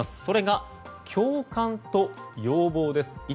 それが、共感と要望です。